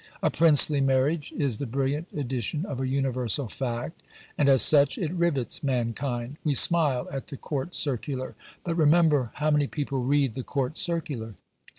A princely marriage is the brilliant edition of a universal fact, and, as such, it rivets mankind. We smile at the Court Circular; but remember how many people read the Court Circular!